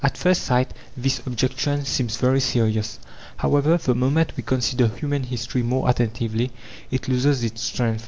At first sight this objection seems very serious. However, the moment we consider human history more attentively, it loses its strength.